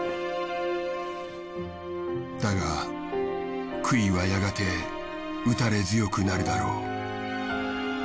だがくいはやがて打たれ強くなるだろう。